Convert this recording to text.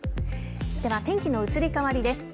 では、天気の移り変わりです。